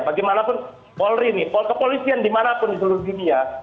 bagaimanapun polri ini kepolisian dimanapun di seluruh dunia